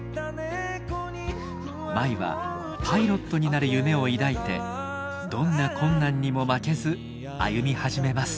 舞はパイロットになる夢を抱いてどんな困難にも負けず歩み始めます。